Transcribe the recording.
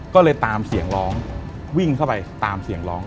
ก็เลยตามเสียงร้องวิ่งเข้าไปตามเสียงร้อง